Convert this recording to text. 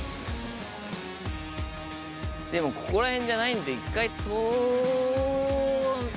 でもここら辺じゃないんで１回。